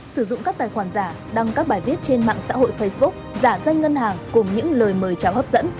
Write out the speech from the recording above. sử dụng các tài khoản giả đăng các bài viết trên mạng xã hội facebook giả danh ngân hàng cùng những lời mời chào hấp dẫn